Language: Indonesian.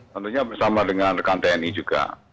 tentunya bersama dengan rekan tni juga